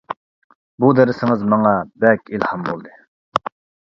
بۇ دەرسىڭىز ماڭا بەك ئىلھام بولدى.